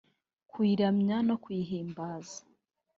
kuyiramya no kuyihimbaza